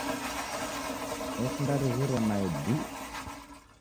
Osindarighiria mae dii.